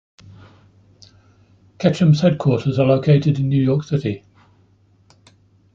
Ketchum's headquarters are located in New York City.